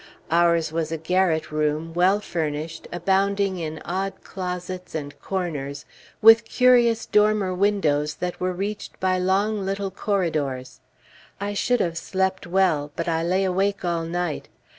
Ours was a garret room, well finished, abounding in odd closets and corners, with curious dormer windows that were reached by long little corridors. I should have slept well; but I lay awake all night.